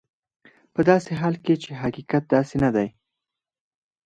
په داسې حال کې چې حقیقت داسې نه دی.